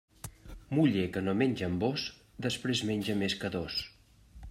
Muller que no menja amb vós, després menja més que dos.